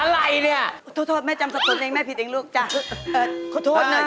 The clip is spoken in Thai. อะไรเนี่ยโทษแม่จำสตนเองแม่ผิดเองลูกจ้ะเออขอโทษหน่อย